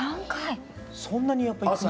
そんなにやっぱ行く。